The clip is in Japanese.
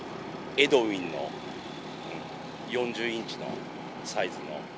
エドウィンの４０インチのサイズの。